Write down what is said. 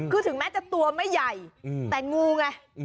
คือถึงแม้จะตัวไม่ใหญ่แต่งูไง